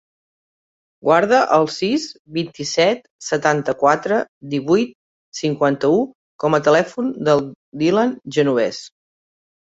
Guarda el sis, vint-i-set, setanta-quatre, divuit, cinquanta-u com a telèfon del Dylan Genoves.